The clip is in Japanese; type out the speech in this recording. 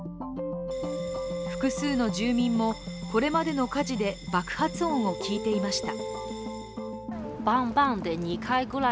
複数の住民も、これまでの火事で爆発音を聞いていました。